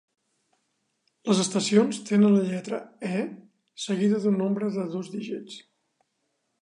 Les estacions tenen la lletra "E" seguida d'un nombre de dos dígits.